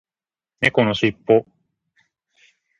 猫のしっぽ